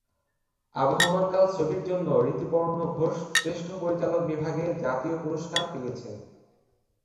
আবহমান ছবির জন্য ঋতুপর্ণ ঘোষ শ্রেষ্ঠ পরিচালক বিভাগে জাতীয় পুরস্কার পেয়েছেন।